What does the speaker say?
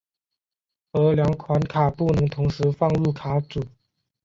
而两款卡不能同时放入卡组。